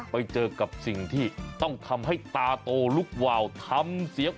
ไปเจอกับสิ่งที่ต้องทำให้ตาโตลุกวาวทำเสียง